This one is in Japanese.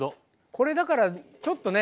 これだからちょっとね